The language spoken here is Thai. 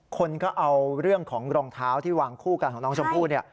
คนก็เอาเรื่องของรองเท้าที่วางคู่กันของน้องชมพู่เนี่ย